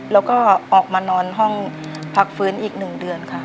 แล้วก็ออกมานอนห้องพักฟื้นอีก๑เดือนค่ะ